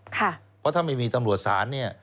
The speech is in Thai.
เพราะถ้าไม่มีตำรวจศาลเนี่ย